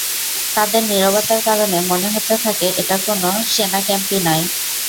তাদের নীরবতার কারণে মনে হতে থাকে এটা কোন সেনাক্যাম্পই নয়।